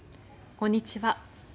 こんにちは。